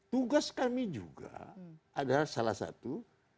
tugas kami juga adalah salah satu